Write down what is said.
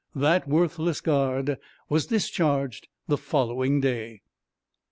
That worthless guard was discharged the following day.